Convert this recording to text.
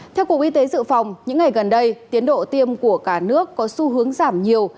theo cục y tế dự phòng những ngày gần đây tiến độ tiêm của cả nước có xu hướng giảm nhiều